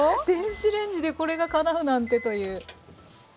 電子レンジでこれがかなうなんてという。